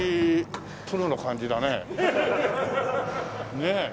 ねえ。